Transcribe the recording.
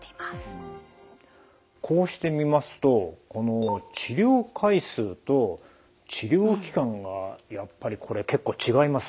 こうして見ますとこの治療回数と治療期間がやっぱり結構違いますね。